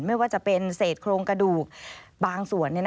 ไม่ว่าจะเป็นเศษโครงกระดูกบางส่วน